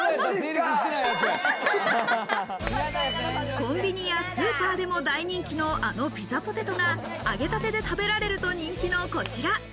コンビニやスーパーでも大人気のあのピザポテトが、揚げたてで食べられると、人気のこちら。